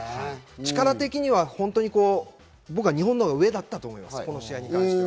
力的には日本のほうが上だったと思います、この試合に関しては。